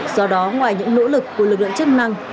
do đó ngoài những nỗ lực của lực lượng chức năng